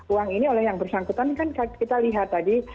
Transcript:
uang ini oleh yang bersangkutan kan kita lihat tadi